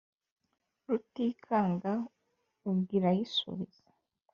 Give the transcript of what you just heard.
Rutikanga ubwo irayisubiza